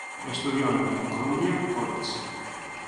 Estudió en el Columbia College.